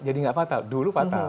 jadi enggak fatal dulu fatal